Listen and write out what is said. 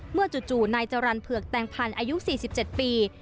เมื่อจู่นายจรรย์เผือกแต่งพันธุ์อายุสี่สิบเจ็ดปี